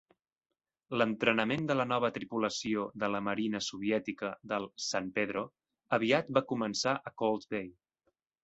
L'entrenament de la nova tripulació de la marina soviètica del "San Pedro" aviat va començar a Cold Bay.